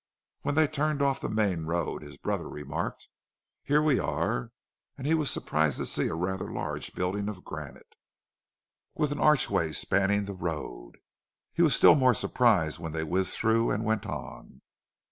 When they turned off the main road, and his brother remarked, "Here we are," he was surprised to see a rather large building of granite, with an archway spanning the road. He was still more surprised when they whizzed through and went on.